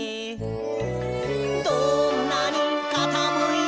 「どんなにかたむいても」